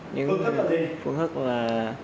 nhưng phương thức là